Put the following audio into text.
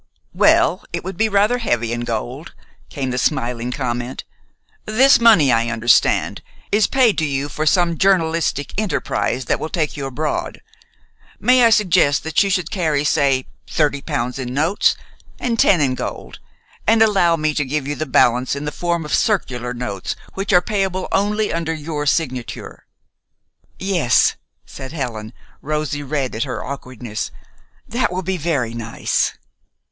"Well, it would be rather heavy in gold," came the smiling comment. "This money, I understand, is paid to you for some journalistic enterprise that will take you abroad. May I suggest that you should carry, say, thirty pounds in notes and ten in gold, and allow me to give you the balance in the form of circular notes, which are payable only under your signature?" "Yes," said Helen, rosy red at her own awkwardness, "that will be very nice."